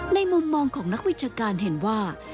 มุมมองของนักวิชาการเห็นว่า